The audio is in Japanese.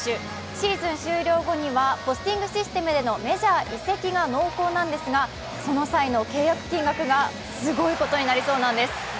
シーズン終了後にはポスティングシステムでのメジャー移籍が濃厚なんですがその際の契約金額がすごいことになりそうなです。